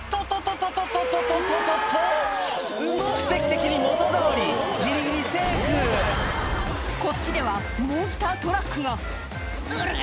とっとっとっと奇跡的に元どおりギリギリセーフこっちではモンスタートラックが「おら！